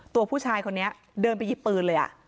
ตัวผู้ชายคนนี้เดินไปหยิบปืนเลย